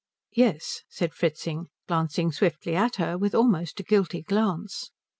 "Yes," said Fritzing, glancing swiftly at her with almost a guilty glance.